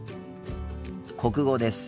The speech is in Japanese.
国語です。